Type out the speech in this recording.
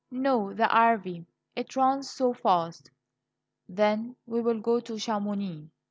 "No, the Arve; it runs so fast." "Then we will go to Chamonix."